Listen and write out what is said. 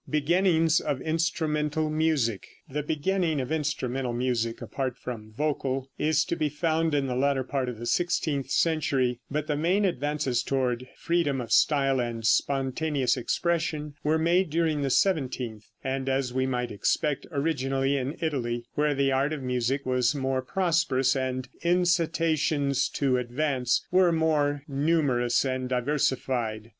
BEGINNINGS OF INSTRUMENTAL MUSIC. The beginning of instrumental music, apart from vocal, is to be found in the latter part of the sixteenth century, but the main advances toward freedom of style and spontaneous expression were made during the seventeenth, and, as we might expect, originally in Italy, where the art of music was more prosperous, and incitations to advance were more numerous and diversified.